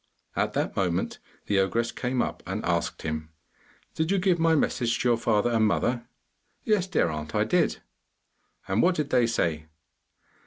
At that moment the ogress came up and asked him, 'Did you give my message to your father and mother?' 'Yes, dear aunt, I did.' 'And what did they say?